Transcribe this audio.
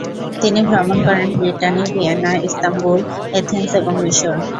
তিনি ভ্রমণ করেন ব্রিটানি, ভিয়েনা, ইস্তানবুল, এথেন্স এবং মিশর।